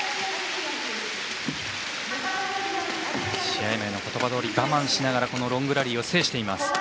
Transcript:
試合前の言葉どおり我慢しながらロングラリーを制しています。